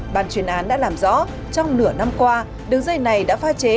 bàn chuyên án đã làm rõ trong nửa năm qua đường dây này đã pha chế